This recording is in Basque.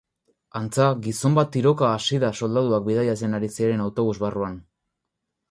Antza, gizon bat tiroka hasi da soldaduak bidaiatzen ari ziren autobus barruan.